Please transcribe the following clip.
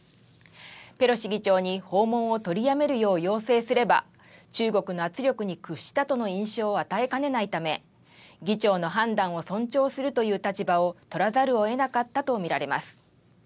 ペロシ議長に訪問を取りやめるよう要請すれば中国の圧力に屈したとの印象を与えかねないため議長の判断を尊重するという立場を取らざるをえなかったと見られます。